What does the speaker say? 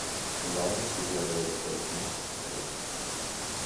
The largest city on the reservation is Toppenish.